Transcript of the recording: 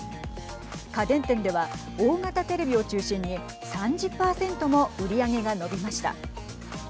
家電店では大型テレビを中心に３０％も売り上げが伸びました。